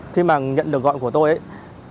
khi mà nhận được gọi của tôi ấy